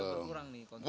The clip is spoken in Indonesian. jadi kurang nih kontrolnya